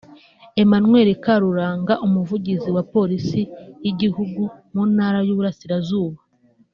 Emmanuel Karuranga Umuvugizi wa polisi y’igihugu mu ntara y’Uburasirazuba